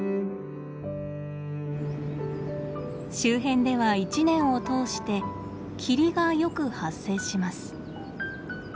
周辺では１年を通して霧がよく発生します。